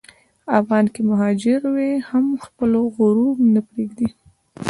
افغان که مهاجر وي، هم خپل غرور نه پرېږدي.